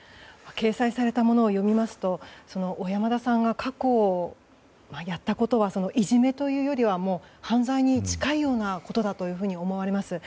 掲載されたものを読みますと小山田さんが過去にやったことはいじめというよりは犯罪に近いようなことだというふうに思われます。